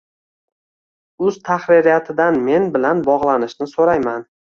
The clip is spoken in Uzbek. uz tahririyatidan men bilan bog'lanishini so'rayman